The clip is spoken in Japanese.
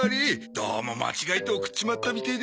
どうも間違えて送っちまったみてえで。